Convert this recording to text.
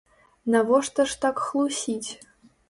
Навошта ж так хлусіць?